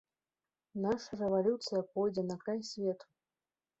Наша рэвалюцыя пойдзе на край свету!